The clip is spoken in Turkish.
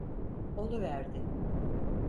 Oluverdi.